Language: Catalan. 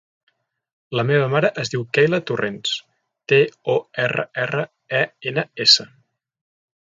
La meva mare es diu Keyla Torrens: te, o, erra, erra, e, ena, essa.